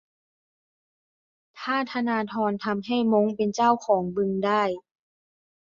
ถ้าธนาธรทำให้ม้งเป็นเจ้าของบึงได้